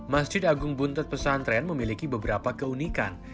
masjid agung buntet pesantren memiliki beberapa keunikan